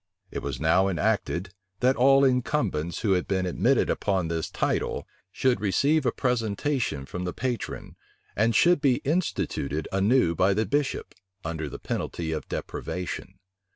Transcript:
It was now enacted, that all incumbents who had been admitted upon this title, should receive a presentation from the patron, and should be instituted anew by the bishop, under the penalty of deprivation.